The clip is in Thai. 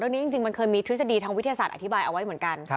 จริงมันเคยมีทฤษฎีทางวิทยาศาสตร์อธิบายเอาไว้เหมือนกัน